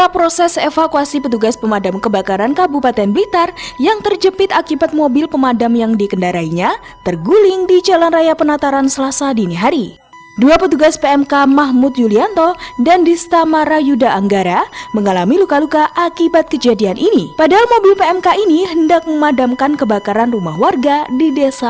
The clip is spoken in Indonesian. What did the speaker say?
pemadam kebakaran milik pemkap blitar selasa dini hari terguling saat akan memadamkan kebakaran di kecamatan ngelego